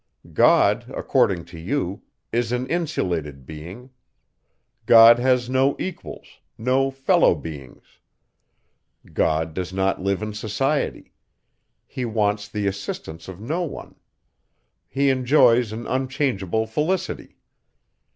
God, according to you, is an insulated being. God has no equals no fellow beings. God does not live in society. He wants the assistance of no one. He enjoys an unchangeable felicity.